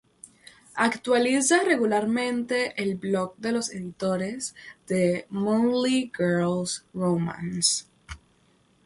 Actualiza regularmente el blog de los editores de Monthly Girls' Romance.